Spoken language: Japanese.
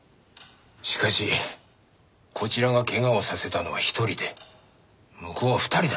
しかしこちらが怪我をさせたのは１人で向こうは２人だ。